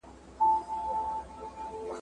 کتاب لوستل تر لوبې کولو ګټور دي.